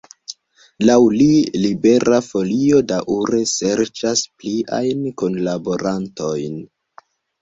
Laŭ li Libera Folio daŭre serĉas pliajn kunlaborantojn.